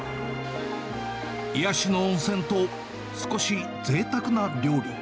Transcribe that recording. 癒やしの温泉と、少しぜいたくな料理。